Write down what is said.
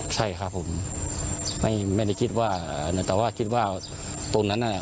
ใช่ครับผมไม่ไม่ได้คิดว่าแต่ว่าคิดว่าตรงนั้นน่ะ